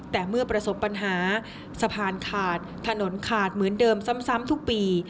แต่เมื่อประสบปัญหาสะพานขาดถนนขาดเหมือนเดิมซ้ำทุกปี